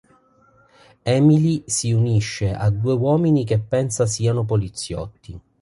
Emily si unisce a due uomini che pensa siano poliziotti.